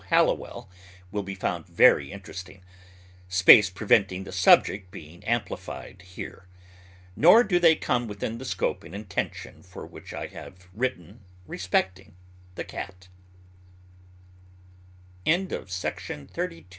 Halliwell, will be found very interesting, space preventing the subject being amplified here. Nor do they come within the scope and intention for which I have written respecting the cat. FISHING CATS.